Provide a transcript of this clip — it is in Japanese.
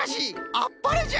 あっぱれじゃ！